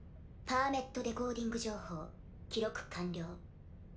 パーメットデコーディング情報記録完了。